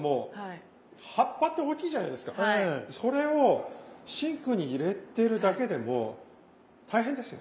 それをシンクに入れてるだけでも大変ですよね。